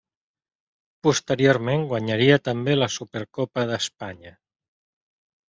Posteriorment, guanyaria també la Supercopa d'Espanya.